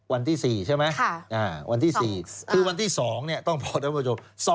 วันที่๔ใช่ไหมวันที่๔คือวันที่๒เนี่ยต้องพอทั้งผู้ชมค่ะ